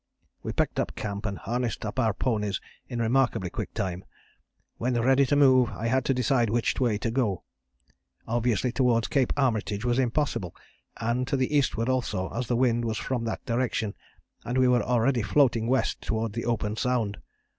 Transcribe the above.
"We packed up camp and harnessed up our ponies in remarkably quick time. When ready to move I had to decide which way to go. Obviously towards Cape Armitage was impossible, and to the eastward also, as the wind was from that direction, and we were already floating west towards the open sound.